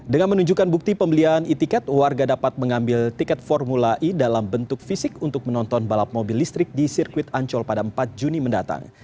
dengan menunjukkan bukti pembelian e ticket warga dapat mengambil tiket formula e dalam bentuk fisik untuk menonton balap mobil listrik di sirkuit ancol pada empat juni mendatang